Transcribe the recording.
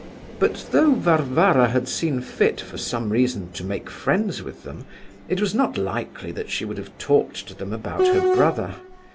But though Varvara had seen fit, for some reason, to make friends with them, it was not likely that she would have talked to them about her brother.